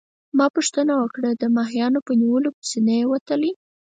ما پوښتنه وکړه: د ماهیانو په نیولو پسي نه يې وتلی؟